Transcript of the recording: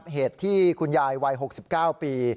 เหตุที่คุณยายวัย๖๙ปี